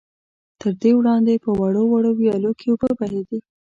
تر دې وړاندې په وړو وړو ويالو کې اوبه بهېدې.